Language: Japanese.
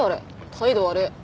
態度悪っ！